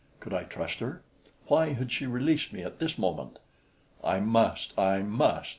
Could I trust her? Why had she released me at this moment? I must! I must!